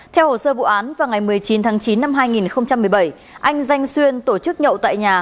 theo hồ sơ vụ án vào ngày một mươi chín tháng chín năm hai nghìn một mươi bảy anh danh xuyên tổ chức nhậu tại nhà